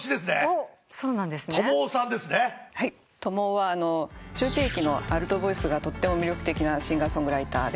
ＴＯＭＯＯは中低域のアルトボイスがとっても魅力的なシンガー・ソングライターで。